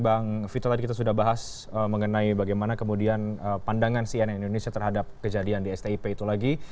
bang vito tadi kita sudah bahas mengenai bagaimana kemudian pandangan cnn indonesia terhadap kejadian di stip itu lagi